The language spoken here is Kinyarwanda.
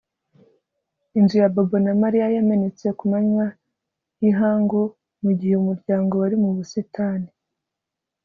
Inzu ya Bobo na Mariya yamenetse ku manywa yihangu mu gihe umuryango wari mu busitani